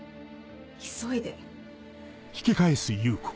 急いで。